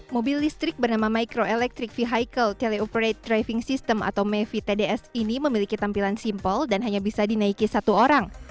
mobil listrik bernama micro electric vehicle teleoperate driving system atau mevtds ini memiliki tampilan simpel dan hanya bisa dinaiki satu orang